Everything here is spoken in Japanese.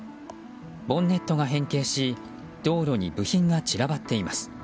ボンネットが変形し道路に部品が散らばっています。